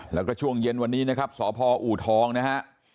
แล้วก็ช่วงเย็นวันนี้นะครับสพอูทองนะฮะ